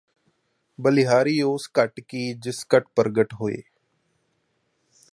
ਬਲਿਹਾਰੀ ਉਸ ਘਟ ਕੀ ਜਿਸ ਘਟ ਪਰਗਟ ਹੋਇ